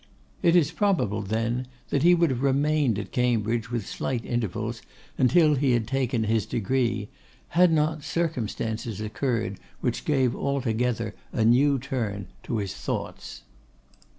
It is probable then that he would have remained at Cambridge with slight intervals until he had taken his degree, had not circumstances occurred which gave altogether a new turn to his thoughts.